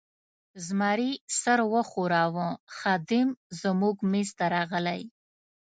زمري سر و ښوراوه، خادم زموږ مېز ته راغلی.